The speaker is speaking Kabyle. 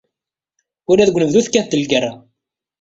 Ula deg unebdu tekkat-d lgerra.